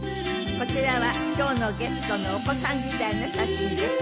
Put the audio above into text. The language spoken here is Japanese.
こちらは今日のゲストのお子さん時代の写真です。